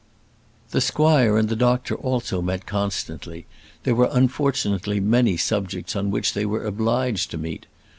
The squire and the doctor also met constantly; there were unfortunately many subjects on which they were obliged to meet.